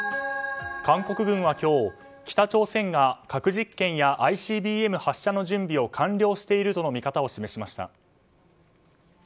韓国軍は今日北朝鮮が核実験やＩＣＢＭ発射の準備を完了しているとの見方を示しました。